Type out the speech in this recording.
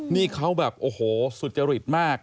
นี่เขาแบบโอ้โหสุจริตมาก